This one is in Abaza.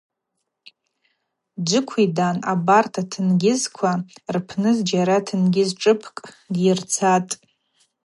Дджвыквидан абарат атенгьызква рпны зджьара тенгьыз тшпыкӏ дйырцатӏ.